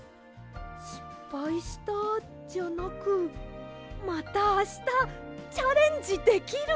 「しっぱいした」じゃなく「またあしたチャレンジできる」！